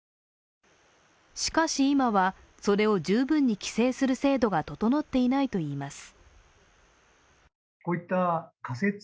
しかし今は、それを十分に規制する制度が整っていないといいます。